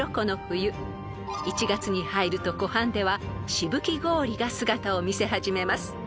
［１月に入ると湖畔ではしぶき氷が姿を見せ始めます］